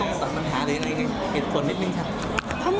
อเรนนี่ถ้าต้องเลือกใช่ไหม